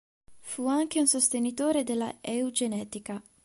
Fu anche un sostenitore della eugenetica.